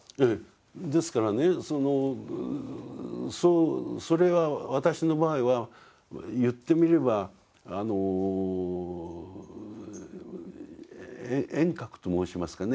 ですからねそれは私の場合は言ってみれば縁覚と申しますかね。